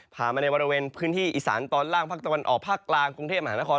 มาในบริเวณพื้นที่อีสานตอนล่างภาคตะวันออกภาคกลางกรุงเทพมหานคร